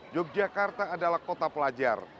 yogyakarta adalah kota pelajar